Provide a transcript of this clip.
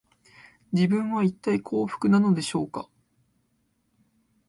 自分は、いったい幸福なのでしょうか